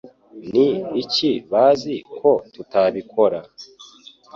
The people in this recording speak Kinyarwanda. Ni iki bazi ko tutabikora?